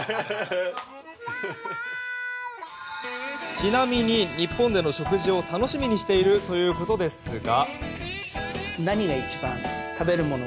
ちなみに日本での食事を楽しみにしているということですが。